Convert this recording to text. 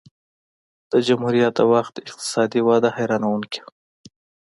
د جمهوریت د وخت اقتصادي وده حیرانوونکې وه.